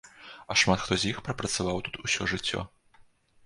А шмат хто з іх прапрацаваў тут усё жыццё.